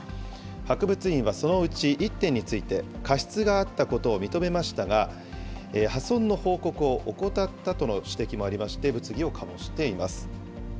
博物院はそのうち１点について、過失があったことを認めましたが、破損の報告を怠ったとの指摘もありまして、物議を醸しています。